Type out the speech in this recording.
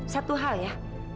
satu hal ya